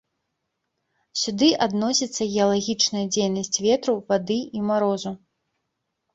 Сюды адносіцца геалагічная дзейнасць ветру, вады і марозу.